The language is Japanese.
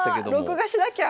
録画しなきゃ！